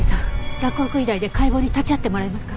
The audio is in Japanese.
洛北医大で解剖に立ち会ってもらえますか？